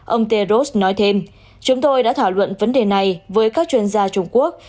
ông teros nói thêm chúng tôi đã thảo luận vấn đề này với các chuyên gia trung quốc